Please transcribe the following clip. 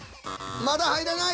まだ入らない。